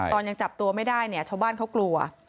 ยังจับตัวไม่ได้เนี่ยชาวบ้านเขากลัว